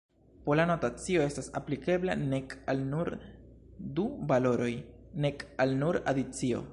Pola notacio estas aplikebla nek al nur du valoroj, nek al nur adicio.